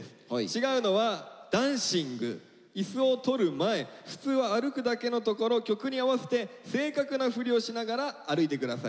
違うのはダンシングイスを取る前普通は歩くだけのところ曲に合わせて正確な振りをしながら歩いてください。